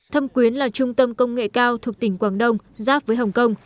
thâm quyến là trung tâm công nghệ cao thuộc tỉnh quảng đông giáp với hồng kông